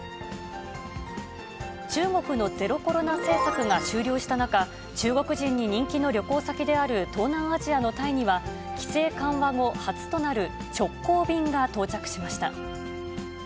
中国のゼロコロナ政策が終了した中、中国人に人気の旅行先である東南アジアのタイには、規制緩和後初となる直行便が到着しました。